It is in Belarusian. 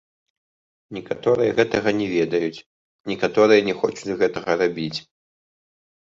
Некаторыя гэтага не ведаюць, некаторыя не хочуць гэтага рабіць.